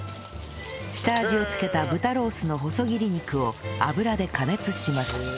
下味を付けた豚ロースの細切り肉を油で加熱します